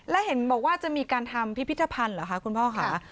แล้วเห็นบอกว่าจะมีการทำพิพิธภัณฑ์เหรอคะคุณพ่อค่ะ